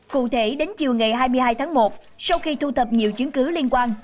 cụ thể đến chiều ngày hai mươi hai tháng một sau khi thu thập nhiều chứng cứ liên quan